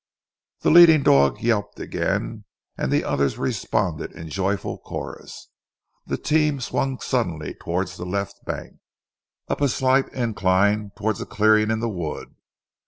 The leading dog yelped again, and the others responded in joyful chorus. The team swung suddenly towards the left bank, up a slight incline towards a clearing in the wood.